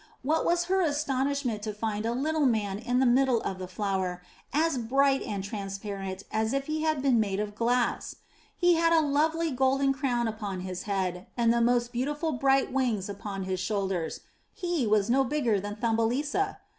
What was her astonishment to find a little man in the middle of the flower, as bright and transparent as if he had been made of glass. He had a lovely golden crown upon his head and the most beautiful bright wings upon his shoulders; he was no bigger than Thumbelisa.